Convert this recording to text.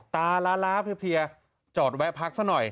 ตาล้าเพียจอดแวะพักซะหน่อย